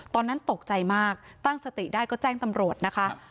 ตอนนั้นตกใจมากตั้งสติได้ก็แจ้งตำรวจนะคะ